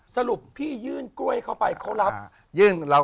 สรุปพี่ยื่นกล้วยเข้าไปเขารับ